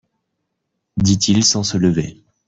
dit-il sans se lever.